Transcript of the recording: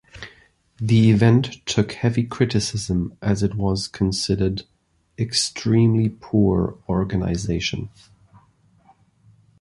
The event took heavy criticism as it was considered "extremely poor organization".